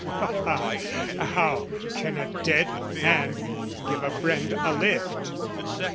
ha, ha, How can a dead hand give a friend a lift?